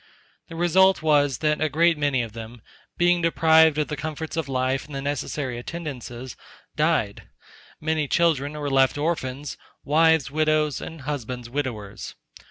The result was, that a great many of them being deprived of the comforts of life, and the necessary attendances, died; many children were left orphans, wives widows, and husbands widowers.